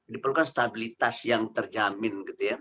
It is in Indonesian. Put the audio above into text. diperlukan stabilitas yang terjamin